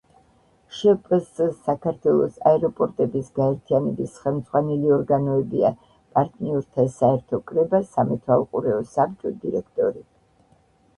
შპს „საქართველოს აეროპორტების გაერთიანების“ ხელმძღვანელი ორგანოებია: პარტნიორთა საერთო კრება, სამეთვალყურეო საბჭო, დირექტორი.